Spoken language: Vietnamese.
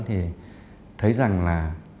thì thấy rằng là